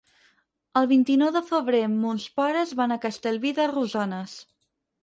El vint-i-nou de febrer mons pares van a Castellví de Rosanes.